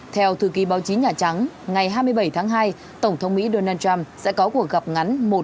theo thư ký báo chí nhà trắng ngày hai mươi bảy tháng hai tổng thống mỹ donald trump sẽ có cuộc gặp ngắn